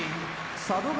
佐渡ヶ